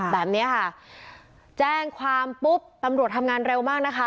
แบบนี้ค่ะแจ้งความปุ๊บตำรวจทำงานเร็วมากนะคะ